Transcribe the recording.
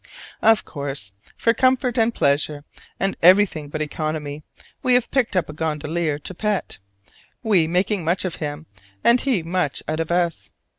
Of course, for comfort and pleasure, and everything but economy, we have picked up a gondolier to pet: we making much of him, and he much out of us.